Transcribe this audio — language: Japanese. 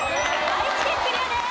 愛知県クリアです。